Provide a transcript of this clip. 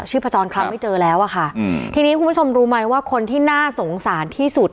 พจรคล้ำไม่เจอแล้วอะค่ะทีนี้คุณผู้ชมรู้ไหมว่าคนที่น่าสงสารที่สุด